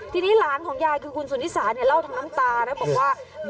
ทีนี้หลานของยายคือคุณสุนิสาเนี่ยเล่าทั้งน้ำตานะบอกว่า